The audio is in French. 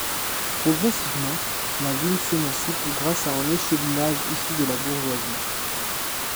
Progressivement, la ville s’émancipe grâce à un échevinage issu de la bourgeoisie.